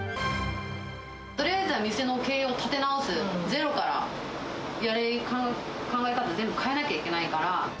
とりあえずは店の経営を立て直す、ゼロから考え方全部変えなきゃいけないから。